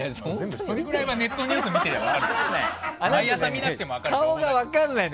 それぐらいはネットニュース見ていれば分かるよ。